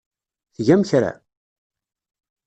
Tgam kra?